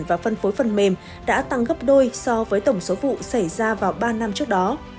và phân phối phần mềm đã tăng gấp đôi so với tổng số vụ xảy ra vào ba năm trước đó